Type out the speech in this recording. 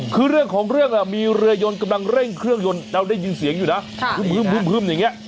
คือเรื่องของเรื่องมีเรือยนกำลังเร่งเครื่องยนต์เราได้ยินเสียงอยู่นะอย่างนี้